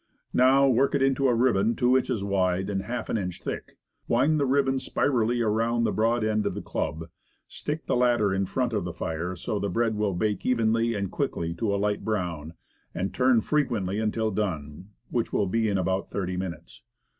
Now, work it into a ribbon two inches wide and half an inch thick, wind the ribbon spirally around the broad end of the club, stick the latter in front of the fire so that the bread will bake evenly and quickly to a light brown, and turn frequently until done, which will be in about thirty minutes.